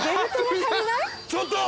ちょっと！